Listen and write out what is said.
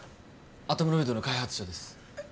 アトムロイドの開発者ですえっ